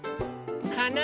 かな